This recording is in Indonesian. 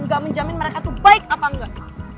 gak menjamin mereka tuh baik apa enggak